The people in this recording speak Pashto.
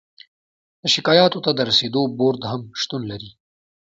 د شکایاتو ته د رسیدو بورد هم شتون لري.